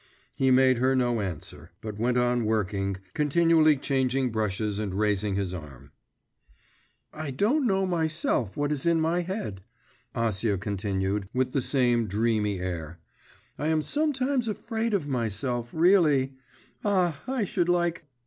He made her no answer, but went on working, continually changing brushes and raising his arm. 'I don't know myself what is in my head,' Acia continued, with the same dreamy air. 'I am sometimes afraid of myself, really. Ah, I should like.